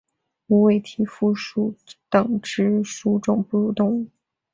无尾蹄蝠属等之数种哺乳动物。